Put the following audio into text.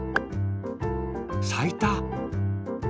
さいた。